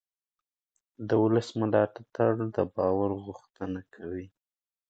د ولس ملاتړ د باور غوښتنه کوي